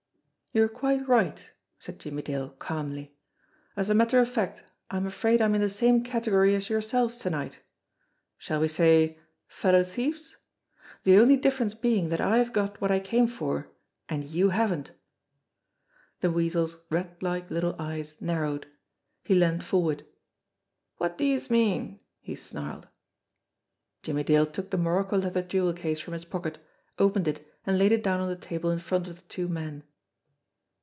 "You are quite right," said Jimmie Dale calmly. "As a matter of fact, I am afraid I am in the same category as yourselves to night. Shall we say fellow thieves? The only difference being that I have got what I came for, and you haven't." The Weasel's rat like little eyes narrowed. He leaned forward. "Wot do youse mean ?" he snarled. Jimmie Dale took the morocco leather jewel case from his pocket, opened it, and laid it down on the table in front of the two men.